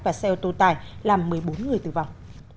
và xe ô tô tải làm một mươi bốn người tử vong